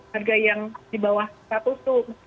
harga yang di bawah seratus tuh